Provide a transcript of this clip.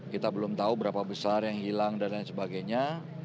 kita belum tahu berapa besar yang hilang dan lain sebagainya